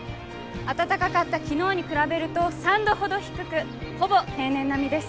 暖かかった昨日に比べると３度ほど低くほぼ平年並みです。